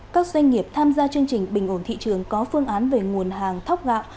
các doanh nghiệp tham gia chương trình bình ổn thị trường có phương án về nguồn hàng thóc gạo